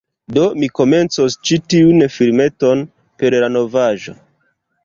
Do mi komencos ĉi tiun filmeton per la novaĵo.